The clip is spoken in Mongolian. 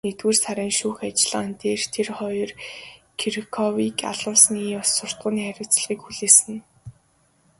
Нэгдүгээр сарын шүүх ажиллагаан дээр тэр хоёр Кировыг алуулсны ёс суртахууны хариуцлагыг хүлээсэн.